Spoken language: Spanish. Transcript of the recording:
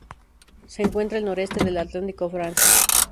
Se encuentra al noreste del Atlántico: Francia.